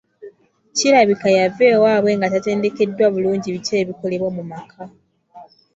Kirabika yava ewaabwe nga tatendekeddwa bulungi biki ebikolebwa mu maka.